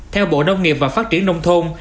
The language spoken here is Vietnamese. theo bộ nông nghiệp và phát triển nông thôn